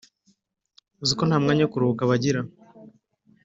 uziko nta mwanya wo kuruhuka bagira